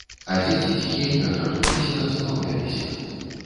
А дзеці ціхенька, крадучыся, забаўляліся.